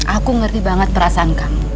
aku ngerti banget perasaan kamu